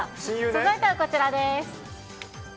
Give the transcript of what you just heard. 続いてはこちらです。